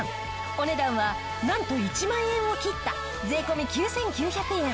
お値段はなんと１万円を切った税込９９００円！